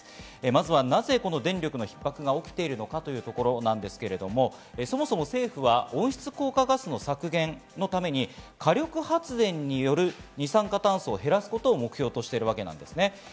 まずは、なぜこの電力のひっ迫が起きているのかというところですけれど、そもそも政府は温室効果ガスの削減のために火力発電による二酸化炭素を減らすことを目的としています。